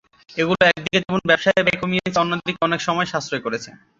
এগুলো একদিকে যেমন ব্যবসার ব্যয় কমিয়েছে, অন্যদিকে অনেক সময় সাশ্রয় করছে।